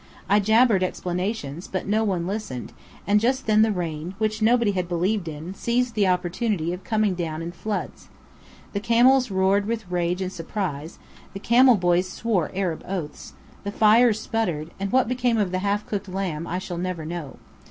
I jabbered explanations, but no one listened; and just then the rain, which nobody had believed in, seized the opportunity of coming down in floods. The camels roared with rage and surprise; the camel boys swore Arab oaths; the fire sputtered, and what became of the half cooked lamb I shall never know.